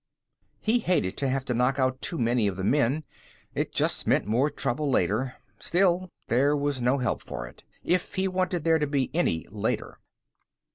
He hated to have to knock out too many of the men; it just meant more trouble later. Still, there was no help for it, if he wanted there to be any later.